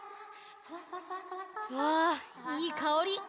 わあいいかおり！